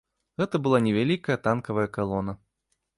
Гэта была невялікая танкавая калона.